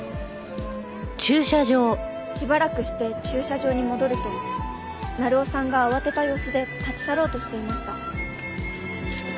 しばらくして駐車場に戻ると鳴尾さんが慌てた様子で立ち去ろうとしていました。